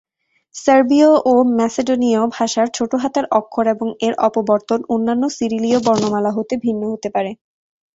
সার্বীয় ও ম্যাসেডনিয় ভাষার ছোট হাতের অক্ষর এবং এর ও অপবর্তন অন্যান্য সিরিলীয় বর্ণমালা হতে ভিন্ন হতে পারে।